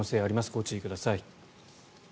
ご注意ください。